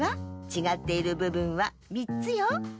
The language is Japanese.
ちがっているぶぶんは３つよ。